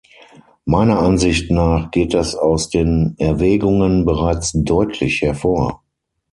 Meiner Ansicht nach geht das aus den Erwägungen bereits deutlich hervor.